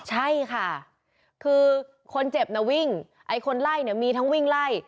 ใช่ค่ะคือคนเจ็บน่ะวิ่งไอ้คนไล่เนี่ยมีทั้งวิ่งไล่